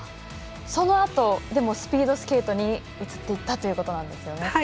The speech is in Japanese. そのあとスピードスケートに移っていったということですね。